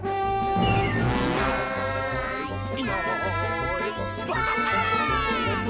「いないいないばあっ！」